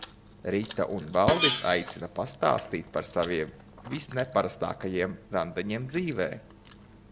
Rita un Valdis aicina pastāstīt par saviem visneparastākajiem randiņiem dzīvē.